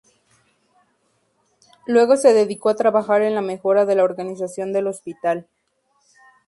Luego se dedicó a trabajar en la mejora de la organización del hospital.